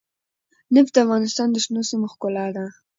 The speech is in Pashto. نفت د افغانستان د شنو سیمو ښکلا ده.